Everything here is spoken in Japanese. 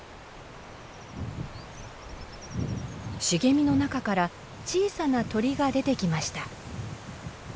茂みの中から小さな鳥が出てきました。